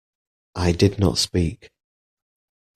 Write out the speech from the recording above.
I did not speak.